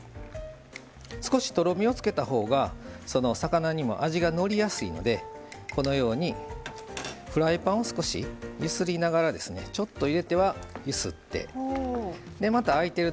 少しとろみをつけたほうが魚にも味がのりやすいのでこのようにフライパンを少し揺すりながらちょっと入れては揺すってまた、あいている